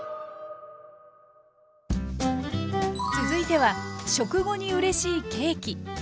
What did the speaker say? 続いては食後にうれしいケーキ。